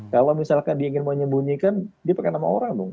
kalau misalkan dia ingin menyembunyikan dia pakai nama orang dong